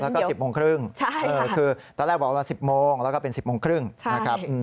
แล้วก็๑๐โมงครึ่งคือตอนแรกบอกว่า๑๐โมงแล้วก็เป็น๑๐โมงครึ่งนะครับ